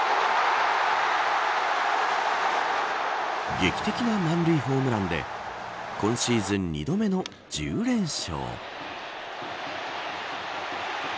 劇的な満塁ホームランで今シーズン２度目の１０連勝。